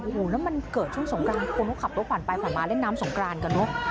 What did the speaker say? โอ้โหแล้วมันเกิดช่วงสงกรานคนเขาขับรถผ่านไปผ่านมาเล่นน้ำสงกรานกันเนอะ